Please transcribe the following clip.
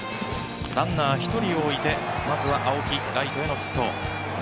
ランナー、１人を置いてまずは青木ライトへのヒット。